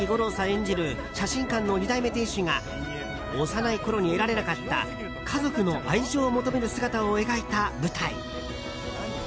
演じる写真館の２代目店主が幼いころに得られなかった家族の愛情を求める姿を描いた舞台。